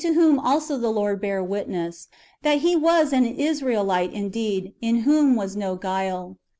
om also the Lord bare witness, that he was '^ an Israelite indeed, in whom was no guile."